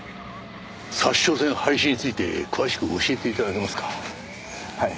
札沼線廃止について詳しく教えて頂けますか？